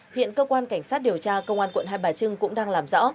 hiện cơ quan cảnh sát điều tra công an quận hai bà trưng cũng đang làm rõ